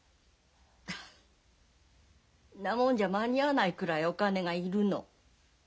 んなもんじゃ間に合わないくらいお金が要るの。